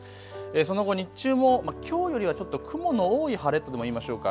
その後日中もきょうよりはちょっと雲の多い晴れとでも言いましょうか。